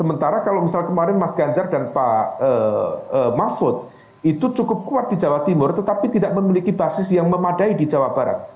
sementara kalau misalnya kemarin mas ganjar dan pak mahfud itu cukup kuat di jawa timur tetapi tidak memiliki basis yang memadai di jawa barat